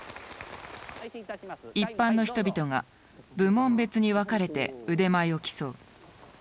一般の人々が部門別に分かれて腕前を競う。